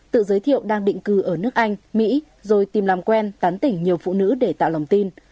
tự giới thiệu đang định cư ở nước anh mỹ rồi tìm làm quen tán tỉnh nhiều phụ nữ để tạo lòng tin